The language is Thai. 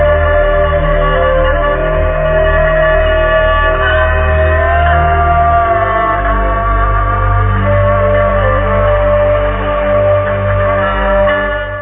เขาเป็นคนดีจริงไม่รู้จะพูดยังไง